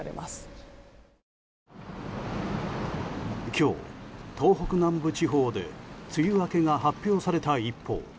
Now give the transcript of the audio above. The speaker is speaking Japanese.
今日、東北南部地方で梅雨明けが発表された一方